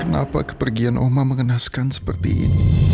kenapa kepergian oma mengenaskan seperti ini